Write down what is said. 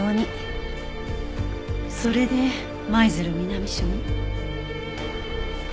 それで舞鶴南署に。